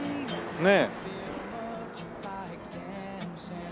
ねえ。